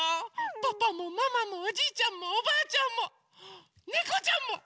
パパもママもおじいちゃんもおばあちゃんもねこちゃんも！